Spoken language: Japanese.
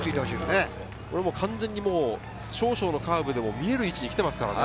完全にもう、少々のカーブでも見える位置に来ていますからね。